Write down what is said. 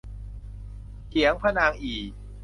เขียงพระนางอี่